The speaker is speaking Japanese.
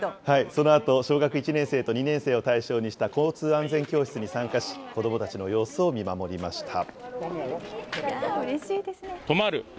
そのあと、小学１年生と２年生を対象にした交通安全教室に参加し、子どもたちの様子を見守りました。